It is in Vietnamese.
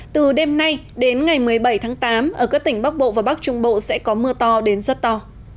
từ đêm nay đến ngày một mươi bảy tháng tám ở các tỉnh bắc bộ và bắc trung bộ sẽ có mưa to đến rất to